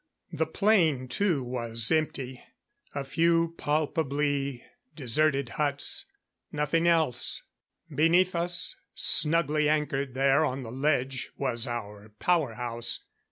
The plain too, was empty. A few palpably deserted huts, nothing else. Beneath us, snugly anchored there on the ledge, was our power house.